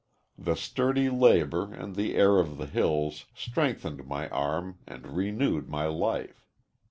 The sturdy labor and the air of the hills strengthened my arm and renewed my life.